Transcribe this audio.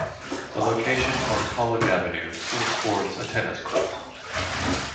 The location, on College Avenue, still sports a tennis court.